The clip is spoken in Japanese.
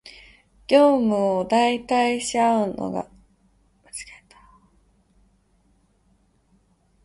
業務を代替し合うのが難しい